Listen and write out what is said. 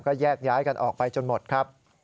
ก็แยกย้ายกันออกไปจนหมดครับ